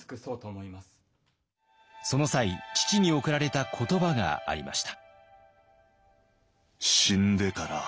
その際父におくられた言葉がありました。